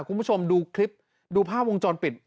คุณผู้ชมดูคลิปดูภาพวงจรปิด